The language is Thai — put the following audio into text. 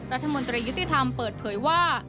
รัฐมนตรียุติธรรมเปิดเผยว่า